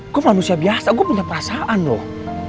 gue manusia biasa gue punya perasaan loh